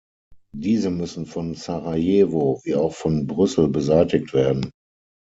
Diese müssen von Sarajewo wie auch von Brüssel beseitigt werden.